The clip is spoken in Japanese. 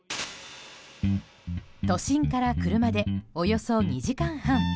都心から車で、およそ２時間半。